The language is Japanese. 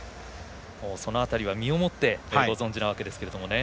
その辺りは、身を持ってご存じなわけですが。